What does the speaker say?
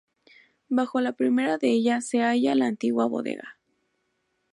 Bajo la primera de ellas se halla la antigua bodega.